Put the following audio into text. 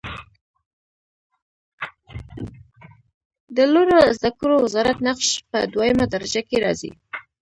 د لوړو زده کړو وزارت نقش په دویمه درجه کې راځي.